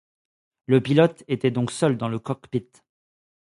Le pilote était donc seul dans le cockpit.